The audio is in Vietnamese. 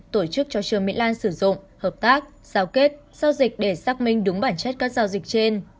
tổ chức cho trương mỹ lan sử dụng hợp tác giao kết giao dịch để xác minh đúng bản chất các giao dịch trên